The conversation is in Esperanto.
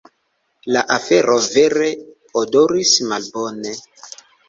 La afero vere odoris malbone.